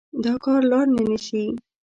دا کار لار نه نيسي.